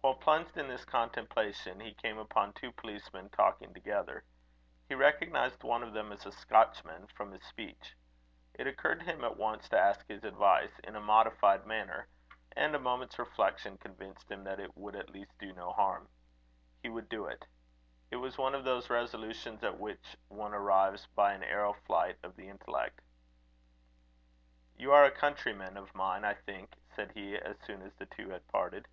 While plunged in this contemplation, he came upon two policemen talking together. He recognized one of them as a Scotchman, from his speech. It occurred to him at once to ask his advice, in a modified manner; and a moment's reflection convinced him that it would at least do no harm. He would do it. It was one of those resolutions at which one arrives by an arrow flight of the intellect. "You are a countryman of mine, I think," said he, as soon as the two had parted.